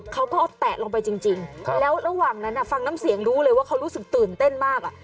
เขาก็เอาแตะลงไปจริงแล้วระหว่างนั้นฟังน้ำเสียงรู้เลยว่าเขารู้สึกตื่นเต้นมากอ่ะ